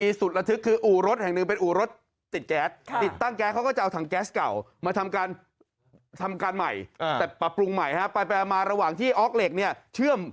อีดสุดละทึกว่าอูรสอย่างนึงเป็นอูรสติดแก๊ส